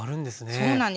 そうなんです。